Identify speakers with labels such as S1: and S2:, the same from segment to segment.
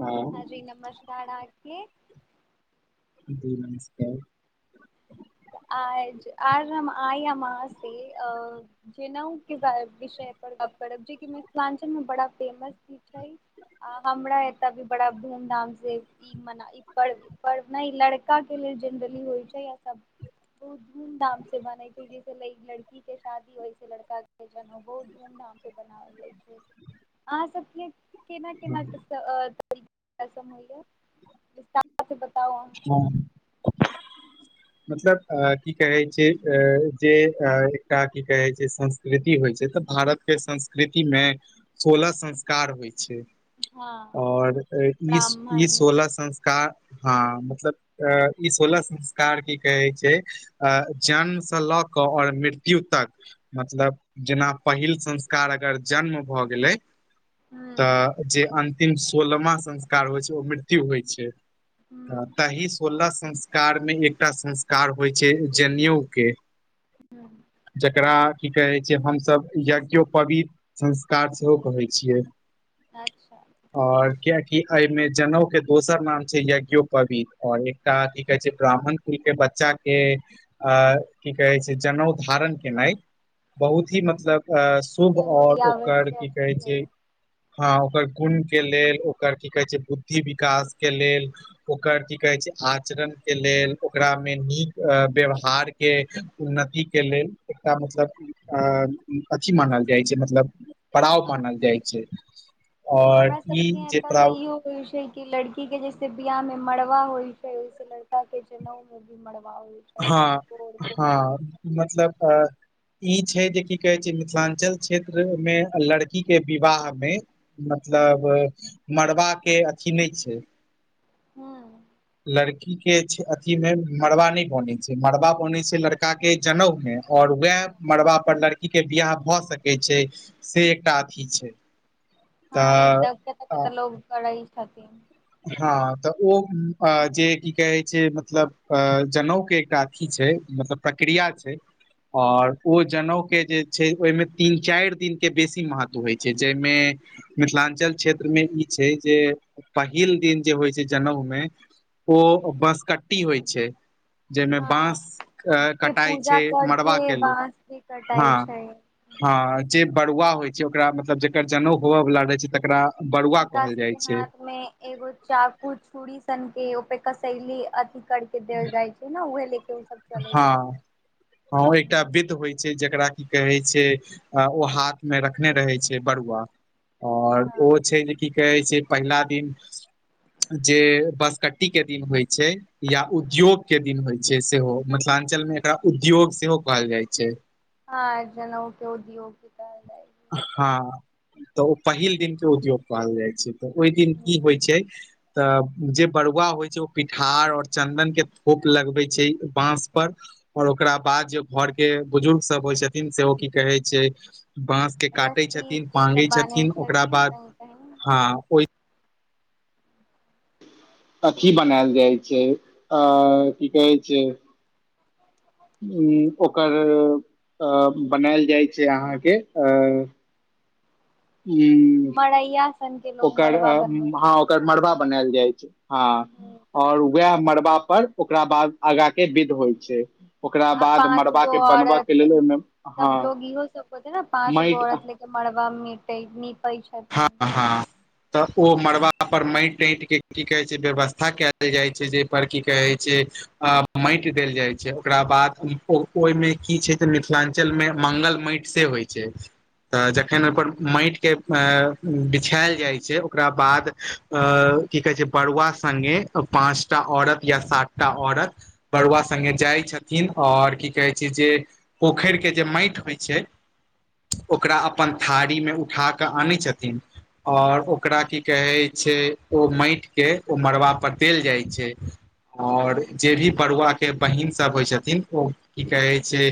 S1: हँ।
S2: हँ जी नमस्कार! आके।
S1: जी नमस्कार!
S2: आई आर आय हम अहाँ से अ जनेउ के विषय पर गप करब, जे मिथिलाञ्चल मे बड़ा फेमस चीज छै। हमरा एतऽ भी बड़ा धूम धाम से ई मने ई पढ़ पढ़ना लड़का के लेल जेनरली होइ छै, या सब बहुत धूम धाम से बन छै, जैसे ल लड़की के शादी होयस छै, लड़का के जनेउ बहुत धूम- धाम से बनाओल जाय छै, अहाँ सबके केना -केना [unintelligible] रसम होइया, विस्तार से बताउ अहाँ।
S1: हँ। [inaudible] मतलब की कहे छै, जे एकटा की कहे छै। संकृति होइ छै, तऽ भारत के संस्कृति मे सोलह संस्कार होइ छै।
S2: हँ
S1: आओर ई ई
S2: ब्राह्मण
S1: सोलह संस्कार हँ मतलब अ ई सोलह संस्कार की कहै छै। अ जन्मसँ लऽ कऽ आओर मृत्यु तक मतलब जेना पहिल संस्कार अगर जन्म भऽ गेलै।
S2: हूं
S1: तऽ जे अन्तिम सोलमा संस्कार होइ छै, ओ मृत्यु होइ छै। त
S2: हूं
S1: तहि सोलह संस्कारमे, एकटा संस्कार होइ छै, जनेयउके! जकरा क कहै छै, हमसभ यज्ञोपवी संस्कार सेहो कहै छियै।
S2: अच्छा
S1: आओर कियकि एहिमे जनेउ के दोसर नाम छै, य यज्ञयोपबित, आऔर एकटा की कहे छै, ब्राह्मण कुल के बच्चा के अ की कहै छै, जनउ धारण केनाइ बहुत ही मतलब अ शुभ
S2: जरूरी
S1: आओर ओकर
S2: आवश्यक
S1: की कहै छै? हँ, ओकर गुण के लेल, ओकर की कहै छै, बुद्धि विकास के लेल। ओकर की कहै छै, आचरणके लेल, ओकरामे नीक व्यवहार के उन्नति के लेल, एकटा मतलब अ अथी मानल जाइ छै, मतलब पड़ाव मानल जाइ छै, और
S2: हमरा
S1: ई
S2: सबके
S1: जे
S2: एतऽ तऽ
S1: पड़ाव
S2: इहो होइ छै कि, लड़की के जैसे बियाह मे मड़बा होइ छै, ओहिसे लड़का के जनउ हो मरबा हो चाहे
S1: हँ
S2: म
S1: हँ
S2: घुमरा [unintelligible]
S1: मतलब अ ई छै जे की कहे छै, मिथिलांञ्चल क्षेत्र मे, लड़की के विवाह मे मतलब मड़बाके अथी नहि छै।
S2: हूं
S1: लड़की के अथी लेल मरबा नै होई छै, मड़बा बनै छै लड़का के जनउ मे, और वह मड़बा पर लड़ के, बियाह भए सकै छै, से एकटा अथी छै।
S2: हँ
S1: तऽ
S2: एतऽ कतऽ
S1: अ,
S2: -कतऽ लोग करै छथिन।
S1: हँ, तऽ ओ जे की कहै छै, मतलब जनेउ के एकटा अथी छै, मतलब प्रक्रिया छै। आओर ओ जनेउके जे छै, ओहिमे तीन- चारि दिनके बेसी महत्व होइत छै, जाहिमे मिथिलाञ्चल क्षेत्रमे ई छै जे पहिल दिन जे होइ छै जनउ मे, ओ बसकट्टी होइ छै। जाहिमे
S2: हँ
S1: बाँस अ
S2: के
S1: कटाइ
S2: पूजा
S1: छै, मरबा
S2: करके
S1: के लेल,
S2: बाँस भी कटाइ
S1: हँ।
S2: छै
S1: हँ जे बरुआ होइ छै, ओकरा मतलब जकर जनेउ होवए वालला रहै छै, तकरा बड़ुआ
S2: हिनका
S1: कहल
S2: सब
S1: जाइ
S2: के
S1: छै
S2: हाथ में एगो चाकू, छूड़ी, सन के ओपे क कशैली, अति कर के देल जाइ छै ने, उहे ले के सब चलै
S1: हँ-
S2: छथिन
S1: हँ, एकटा विध होइ छै, जेकरा की कहै छै आ-ओ हात में रखने रहै छै बरुवा। और ओ
S2: हँ
S1: छै जे कि कऐ छै पहिला दिन जे बस क ती के दिन होइ छै या उद्योग के दिन होइ छै सेहो। मिथलांचल में एकरा उद्योग सेहो कहल जाइ छै।
S2: हँ, जनौ के उद्योगे कहल जाइ
S1: हँ, तऽ ओ पहिल दिन के उद्योग कहल जै छै। तऽ ओइ दिन की
S2: हूँ,
S1: होइ छै? तऽ जे बरुवा होइ छै ओ पिठार और चन्दन के थोप लगबै छै। बाँस पर और ओकरा बाद जे घर के बुजुर्ग सब होय छथिन से ओ की कहे छै बांस के काटै
S2: रस्सी
S1: छथिन,
S2: उस्सी
S1: पांगै
S2: सब बान्है
S1: छथिन ओकरा बाद
S2: कहीं कहीं
S1: हाँ ओइ अथी बनेल जै छै आ की कहै छै? उं ओकर अ बनेल जै छै अहाँके अ हू [unintelligible]
S2: मड़ैया सन के लोग मड़बा बनबै छ।
S1: हँ मड़बा बनेल जै छै हाँ
S2: हूँ,
S1: और उ वेह मरबा पर ओकरा बाद आगाँ के बिध होइ छै। ओकरा
S2: आ
S1: बाद
S2: पाँच
S1: मड़बा
S2: गो
S1: के बनबय
S2: औरत
S1: के लेल ओहिमे
S2: सब
S1: हँ
S2: लोग इहो सब होएते न पाँच गो
S1: माटि
S2: औरत ले त मड़बा मीपै-मीपैछ
S1: हाँ-हाँ-हाँ। तऽ ओ मरबा पर मैट-तैंट के की कहै छै ब्यवस्था केल जाइ छै जै पर की कहै छै आब मैट देल जै छै ओकरा बाद इ पो ओइ की छै त मिथिलाञ्चल में मंगल मैट से होइ छै तऽ जखन ओर माटिक के अ बिछेल जै छै ओक्रा बाद अ की कहै छै बरुवा संगे त पाँच-टा औरत या सात-टा औरत बरुवा सङ्गे जै छथीन और की कऐ छै जे पोखैर के जे मैट होइ छै ओकरा अपन थारी मे उठा क आनै छथिन। और ओकरा की कहै छै ओ मैट के ओ मड़बा पर देल जै छै। और
S2: हूँ
S1: जे भी बरुवा के बहीन सब होइ छथिन ओ की कहै छै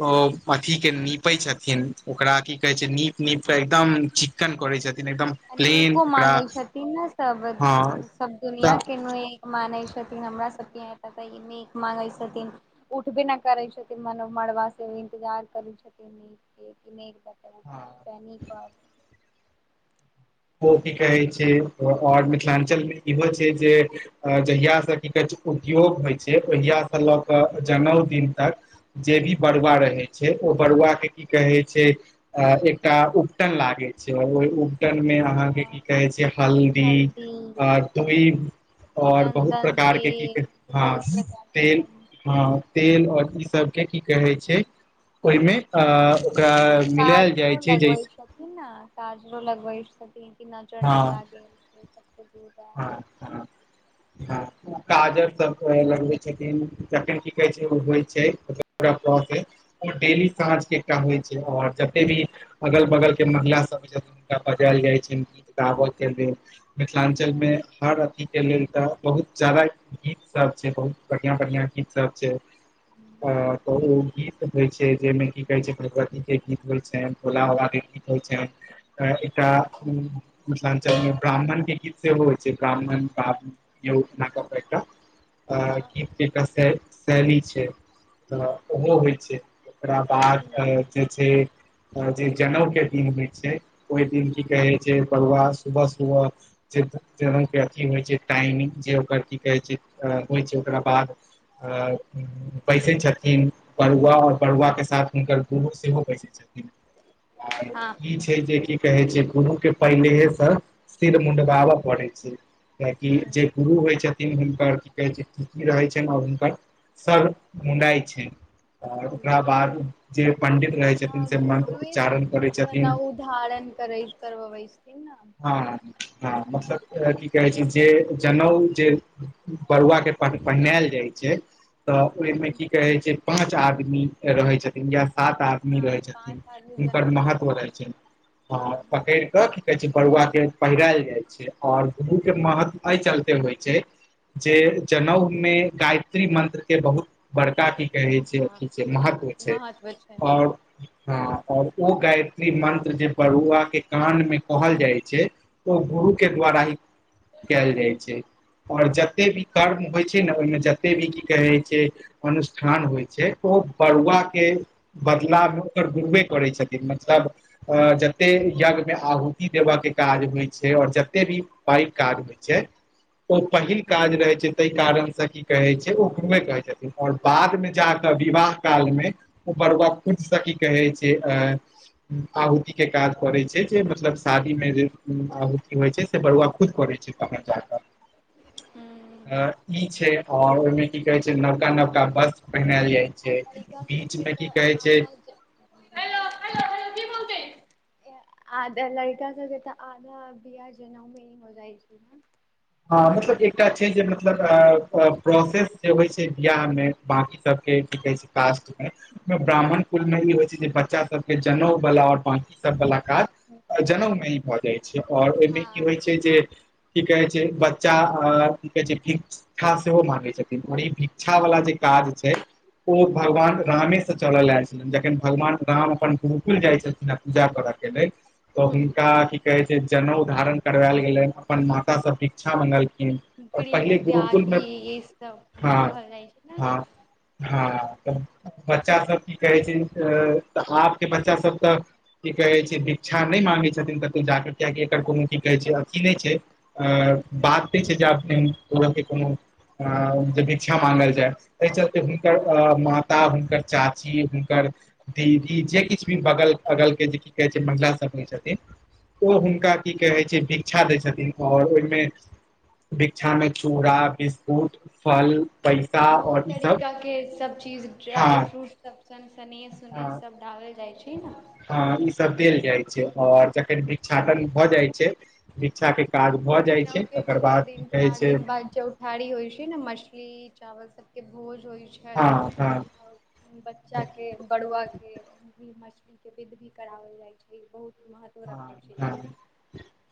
S1: ओ अथी के नीपै छथिन, ओकरा की कहै छै नीप- नीप कऽ एकदम चिक्कन करै छथिन एकदम।
S2: आ
S1: प्लेन
S2: नेको
S1: ओकरा
S2: माँगै छथिन न सब,
S1: हँ
S2: सब दुनियाँ
S1: तऽ
S2: के नोए मानै छथिन हम्रा सबके यहाँ तऽ ई मेग माँगै सथिन। उठबे न करै छथिन मानव मड़बा से इन्तजार करै छथिन ई। एक ने एक उठा पनी
S1: हँ
S2: पाब-पानी पाब।
S1: ओ की कहै छै और मिथलाञ्चल में इहो छै जे अ जहिया स की कऐ छै उद्योग होइ छै ओहिया स लऽ कऽ जनौ दिन तक जे भी बरुवा रहै छै ओ बरुवा के की कहे छै अ एकटा उबटन लागै छै और ओइ उबटन में आं अहाँके की
S2: हँ
S1: कहै छै हल्दी आ तोई और बहुत
S2: चन्दन
S1: प्रकार के की कैह,
S2: तेल
S1: हँ
S2: बहुत प्रकार के
S1: तेल हँ तेल और सबके की कहै छै ओहओकरा
S2: [inaudible] लगइ छन। ना, काजरो लगबै छतीन कि नजर ना लागे [inaudible]
S1: हँ हँ हँ काजर सब लगबै छथिन जखन की कहे छै ओ होइ छै ओ डेली सांझके एकटा होइ छै आओर जते भी अगल बगल के महिला सब छथिन हुनका बजायल जाइ छनि, गीत गाबय के लेल मिथिला मे
S2: हूँ
S1: हर अथि के लेल तऽ बहुत चलैत गीत सब छै बहुत बढ़िया बढ़िया गीत सब छै।
S2: हूँ
S1: अ त ओ गीत होय छै जेहिमें की कहे छै प्रगट के गीत होइ छनि भोला बाबा के गीत होइ छनि। एकटा मिथिलाञ्चल मे ब्राह्मण के गीत सेहो होइ छै ब्राह्मण बाबा दियौ, एकटा
S2: हँ हँ
S1: गीत एकटा फेर शैली छै तऽ ओहो होइ छै ओकरा पाग
S2: हूँ
S1: पहिराउन जे छै, जे जनेउके दिन होइ छै ओइ की
S2: हँ
S1: कहै छै बरुआ सुबह सुबह जनके अथी होइत छै टाइमिंग जे ओकरा की कहै छै होइ छै ओकरा बाद आ बैसै छथिन बरुआ आओर बड़ुआ के साथ हुनकर गुरु सेहो बैसै छथिन। आर
S2: हँ
S1: ई छै जे की कहे छै दुनु के पहिलेहेसँ मुंडबाबऽ पढ़ै छै, किया कि
S2: हूँ
S1: जे गुरु होइ छथिन हुनकर की कहै छै पित्ती रहै छनि आ हुनकर स मुडइ छै आओर ओकरा
S2: आ
S1: बाद जे पंडित रहै छथिन से मंत्र
S2: गुरुए सब
S1: उच्चारण करै छथिन
S2: जनउ धारण करै करवबै छथिन ने
S1: हं हँ मतलब की कहै छै जे जनेउ जे बरुआ के पहिनायल जाइ छै तऽ ओहिमे की कहे छै पाँच आदमी रहै छथिन या सात आदमी आदमी
S2: हँ
S1: रहै
S2: पाँच
S1: छथिन
S2: आदमी
S1: हुनकर
S2: जनउ
S1: महत्व
S2: पकड़े
S1: रहैत छैन आ पकड़ि कऽ की कहै छै बरुआके पहिरायल जाइ छै आओर दुनु के महत्व एहि चलते होइ छै जे जनेउ मे गायत्री मंत्र के बहुत बड़का भी कहै छै
S2: हँ
S1: अथी छै महत्व छै
S2: महत्व छै
S1: आओर हं और ओ गायत्री मंत्र जे बरुआ के कान मे कहल जाइ छै ओ गुरु के द्वारा ही कयल जाइ छै। आओर जते भी कर्म होइ छै ने ओहिमे जते भी की कहै छै अनुष्ठान होइ छै ओ बरुआ के बदला मे ओकर गुरुए करै छथिन। मतलब जते यज्ञ मे आहुति देबा के काज होइ छै छै आओर जते भी पैघ काज होइ छै ओ पहिल काज रहै छै त कारण से की कहै छै ओ घुमै कहै छथिन आओर बाद मे जाकऽ विवाह काल मे ओ बरुआ खुदसे की कहै छै एं आहुुति के काज करै छै जे मतलब शादी मे जे आहुुति होइ छै त बरुआ खुद करै छै आ ई छै और ओय मे की कहय छै नवका नवका वस्त्र पहिरायल जाइ छै
S2: लड़ा
S1: बीच
S2: सब
S1: मे
S2: त
S1: की कहै छै
S2: ह ह हो की बोलते [unintelligible] आधा लड़का सबके तऽ आधा बिआह जनेउ मे ही हो जाइ छै ने।
S1: हं मतलब एकटा छै जे मतलब प्रोसेस जे होइ छै बिआह मे बाकी सबके की कहै छै पास्ट मे ब्राह्मण कुल मे इ होइ छै जे बच्चा सबके जनेउ बला आओर बाँंकी सब बला काज जनेउ मे ई भऽ जाइत छै आओर ओहिमे की
S2: हँ
S1: होइत छै जे
S2: आब
S1: की कहैत छै जे बच्चा अ की कहै छै ठीक भिक्षा सेहो माँंगै छथिन आओर ई भिक्षा वला जे काज छै ओ भगवान रामे से चलल आयल छै। जखन भगवान राम अपन गुरुकुल जाइ छलखिन पूजा करऽ के लेल तऽ हुनका की कहै जे जनेउ धारण करवायल गेलैन अपन माता सं भिक्षा मंगलखिन आओर
S2: दिल है
S1: पहिले गुरुकुलमे
S2: त्यागी ई सब भी
S1: हँ
S2: कहल जाइ छै ने
S1: हँ
S2: लोग
S1: हँ तऽ बच्चा सब की कहै छैऽ आबके बच्चा सब तऽ की कहै छै भिक्षा नहि मांगै छथिन कतहु जाकऽ कियाकि एकर कोनो की कहै छै अथी नहि छै अ बात नै छै जे अपने ओरा के कोनो जे भिक्षा मांगल जाय एहि चलते हुनकर माता, हुनकर चाची, हुनकर दीदी जे किछु भी बगल अगलके जे किछु कहै छै महिला सभ जे छथिन ओ हुनका की कहै छै भिक्षा दै छथिन आओर ओहिमे भिक्षा में चूड़ा बिस्कुट फल पैसा
S2: बहुत
S1: आओर ईसभ
S2: तरीका के सब चीज
S1: हँ
S2: ड्राइ फ्रूट सब संग सनेस
S1: हँ
S2: तनेस सब डालल जाइ छै ने।
S1: हँ ई सब देल जाइ छै और जखन भिक्षाटन भए जाइ छै भिक्षाके काज
S2: तऽ
S1: भऽ जाइ
S2: जेनाउ
S1: छै तकर बाद की कहै छै
S2: थारी होइ छै ने, मछली चावल सबके भोज होइ
S1: हँ
S2: छै।
S1: हँ
S2: और बच्चा के, बड़ुआ के मछली के विध भी करावल जाय छै। ई बहुत महत्व रखै
S1: हँ
S2: छै ई विध
S1: हँ।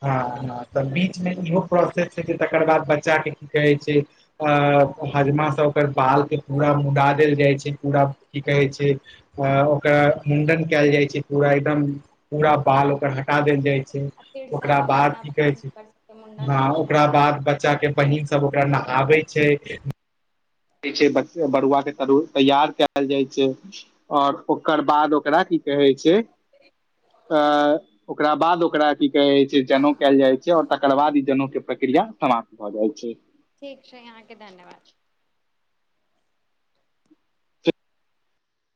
S1: हँ हँ तऽ बीचमे इहो प्रोसेस छै कि तकर बाद बच्चाके की कहैत छै अ हजमासँ ओकर बालके पूरा मुड़ा देल जाइ छै, पूरा की कहै छै अ ओकरा मुंडन कयल जाइ छै पूरा एकदम पूरा बाल हटा देल जाइ छै,
S2: आ फेर
S1: ओकरा
S2: सवा
S1: बाद
S2: महीना
S1: की कहै छै
S2: हुनकर सबके मुण्डन होइ
S1: हं
S2: छनि
S1: ओकरा बाद बच्चा के बहिन सब ओकरा नहलाबै छै। कि छै बरुआ के तर तैयार कयल जाइ छै और ओकर बाद ओकरा की कहै छै ओकरा बाद ओकरा की कहे छै जनेउ कयल जाइ छै और तकर बाद ई जनेउ के प्रक्रिया समाप्त भए जाइ छै।
S2: ठीक छै अहाँके धन्यवाद।